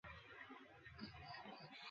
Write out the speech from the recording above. মনে মনে বললুম, আরও বেশি দাম দিতে হবে বুঝি।